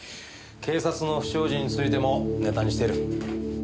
警察の不祥事についてもネタにしている。